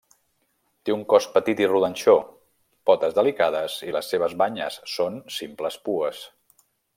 Té un cos petit i rodanxó, potes delicades i les seves banyes són simples pues.